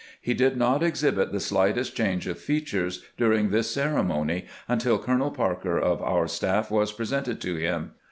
He did not exhibit the slightest change of features during this ceremony until Colonel Parker of our staff was presented to him.